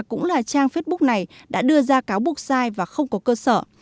cũng là trang facebook này đã đưa ra cáo buộc sai và không có cơ sở